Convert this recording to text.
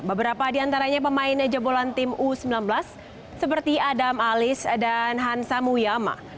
beberapa di antaranya pemain jebolan tim u sembilan belas seperti adam alis dan hansa muyama